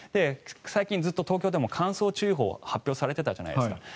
最近ずっと東京でも乾燥注意報が発表されていたじゃないですか。